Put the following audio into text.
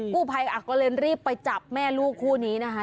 กู้ภัยก็เลยรีบไปจับแม่ลูกคู่นี้นะคะ